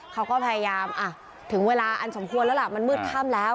เขาก็พยายามถึงเวลาอันสมควรแล้วล่ะมันมืดค่ำแล้ว